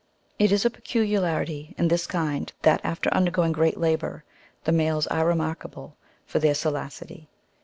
It is a peculiarity in this kind, that after undergoing great labour, the males are remarkable for their salacity.